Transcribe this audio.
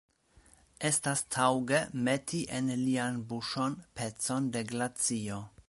Estas taŭge meti en lian buŝon pecon de glacio.